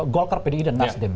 golkar pdi dan nasdem